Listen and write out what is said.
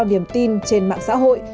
có nhiều niềm tin trên mạng xã hội